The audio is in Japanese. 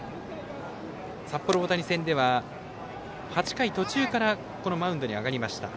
札幌大谷戦では８回途中からこのマウンドに上がりました。